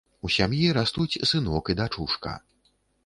У сям'і растуць сынок і дачушка.